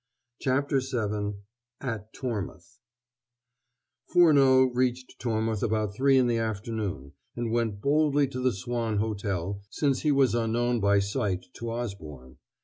CHAPTER VII AT TORMOUTH Furneaux reached Tormouth about three in the afternoon, and went boldly to the Swan Hotel, since he was unknown by sight to Osborne.